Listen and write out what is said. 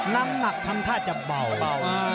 น้ำหนักทำท่าจะเบา